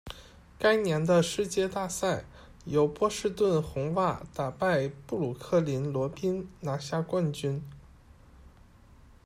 该年的世界大赛，由波士顿红袜打败布鲁克林罗宾拿下冠军。